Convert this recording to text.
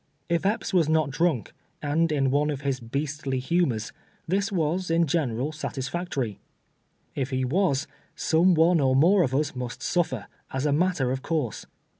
If Epps was not drunk, and in one of his beastly hu mors, this was, in general, satisfactory. If he was, some one or more of us must sutler, as a matter of course.